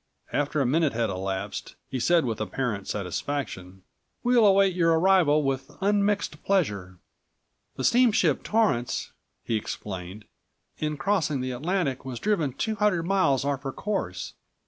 After a minute had elapsed, he said with apparent satisfaction: "We'll await your arrival with unmixed pleasure. "The Steamship Torrence," he explained, "in crossing the Atlantic was driven two hundred miles off her course.